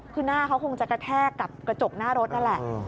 คือหน้าเขาคงจะกระแทกกับกระจกหน้ารถนั่นแหละ